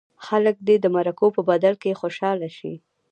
خلک دې د مرکو په بدل کې خوشاله شي.